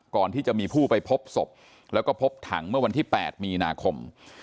ก่อนที่จะมีผู้ไปพบศพแล้วก็พบถังเมื่อวันที่๘มีนาคม